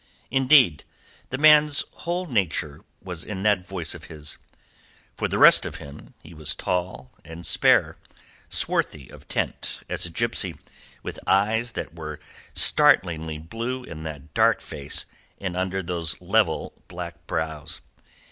Indeed, the man's whole nature was in that voice of his. For the rest of him, he was tall and spare, swarthy of tint as a gipsy, with eyes that were startlingly blue in that dark face and under those level black brows.